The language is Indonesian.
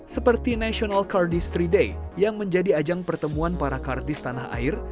seperti national cardist three day yang menjadi ajang pertemuan para kardist tanah air